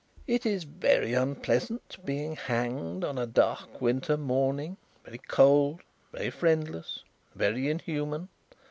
"It is very unpleasant being hanged on a dark winter morning; very cold, very friendless, very inhuman.